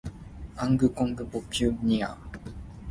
尪公無過嶺